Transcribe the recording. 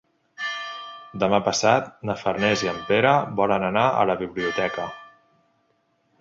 Demà passat na Farners i en Pere volen anar a la biblioteca.